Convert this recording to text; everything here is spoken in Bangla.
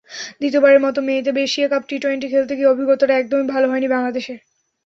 দ্বিতীয়বারের মতো মেয়েদের এশিয়া কাপ টি-টোয়েন্টি খেলতে গিয়ে অভিজ্ঞতাটা একদমই ভালো হয়নি বাংলাদেশের।